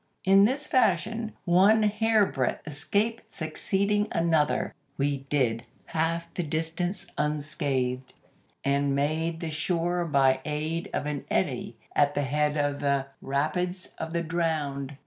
"In this fashion, one hairbreadth escape succeeding another, we did half the distance unscathed, and made the shore by the aid of an eddy at the head of the Rapids of the Drowned.